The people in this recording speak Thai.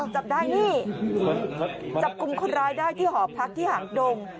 จับได้นี่จับกลุ่มคนร้ายได้ที่หอพักที่หางดง